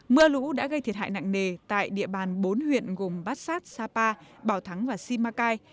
mưa lũ đã gây thiệt hại nặng nề tại địa bàn bốn huyện gồm bát sát sapa bảo thắng và simacai